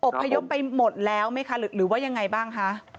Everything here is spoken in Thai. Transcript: พยพไปหมดแล้วไหมคะหรือว่ายังไงบ้างคะ